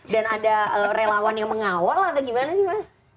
dan ada relawan yang mengawal atau gimana sih mas